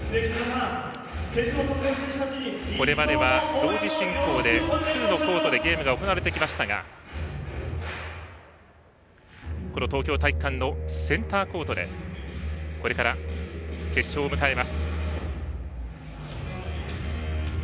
これまでは同時進行で複数のコートでゲームが行われてきましたがこの東京体育館のセンターコートでこれから決勝を迎えます。